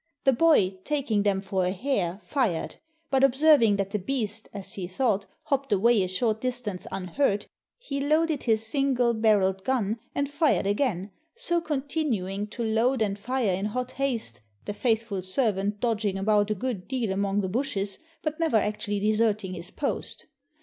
The boy, taking them for a hare, fired; but observing that the beast, as he thought, hopped away a short distance unhurt, he loaded his single barreled gun and fired again, so continuing to load and fire in hot haste — the faithful servant dodging about a good deal among the bushes, but never actually deserting his post.